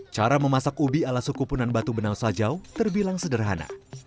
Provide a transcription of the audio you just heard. cara memasak ubi ala suku punan batu benau sajau terbilang sederhana